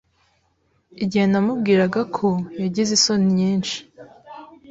Igihe namubwiraga ko, yagize isoni nyinshi